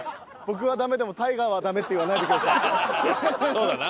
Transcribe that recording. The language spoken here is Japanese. そうだな。